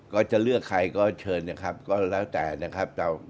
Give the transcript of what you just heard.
ก็จะเลือกใครก็เชิญนะครับก็แล้วแต่นะครับ